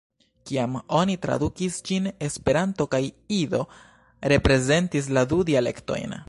Kiam oni tradukis ĝin, Esperanto kaj Ido reprezentis la du dialektojn.